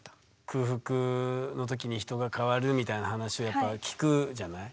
空腹のときに人が変わるみたいな話はやっぱ聞くじゃない？